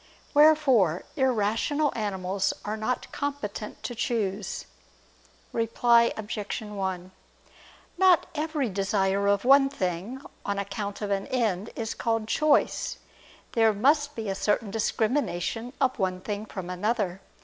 Wherefore irrational animals are not competent to choose. Reply Obj. 1: Not every desire of one thing on account of an end is called choice: there must be a certain discrimination of one thing from another.